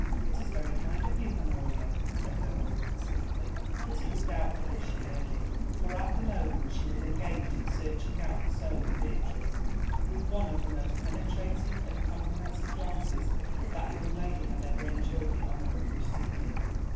"It is very kind of you, Honoria," said her husband simply, but it was doubtful if she heard him, for at the moment she was engaged in searching out the soul of Beatrice, with one of the most penetrating and comprehensive glances that young lady had ever enjoyed the honour of receiving.